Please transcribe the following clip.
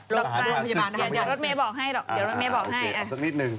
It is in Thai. ลดจันทรีย์หวังว่าพยาบาลนะคะเดี๋ยวรถเมล์บอกให้ด้านหลัง